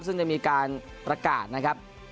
ซึ่งได้มีการประกาศนะครับ